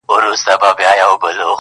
خپلوۍ سوې ختمي غريبۍ خبره ورانه سوله,